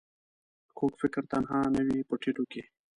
کوږ فکر تنها نه وي په ټيټو کې